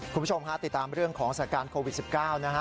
คุณผู้ชมฮะติดตามเรื่องของสถานการณ์โควิด๑๙นะฮะ